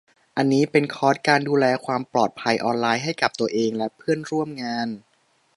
อันนี้เป็นคอร์สการดูแลความปลอดภัยออนไลน์ให้กับตัวเองและเพื่อนร่วมงาน